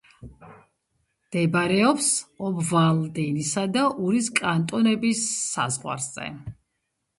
მდებარეობს ობვალდენისა და ურის კანტონების საზღვარზე.